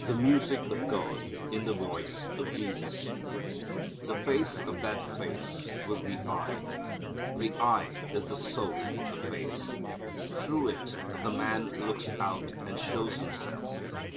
The Music of God in the Voice of Jesus. The face of that face was the eye. The eye is the soul of the face. Through it the man looks out and shows himself.